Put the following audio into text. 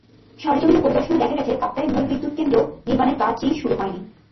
সরেজমিনে পরিদর্শনে দেখা গেছে, কাপ্তাইয়ে মূল বিদ্যুৎকেন্দ্র নির্মাণের কাজই শুরু হয়নি।